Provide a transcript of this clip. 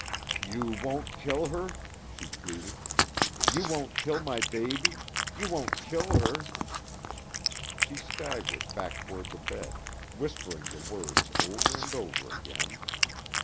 "You won't kill her?" she pleaded. "You won't kill my baby? You won't kill her " She staggered, back toward the bed, whispering the words over and over again.